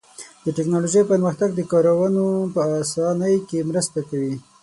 د تکنالوژۍ پرمختګ د کارونو په آسانۍ کې مرسته کوي.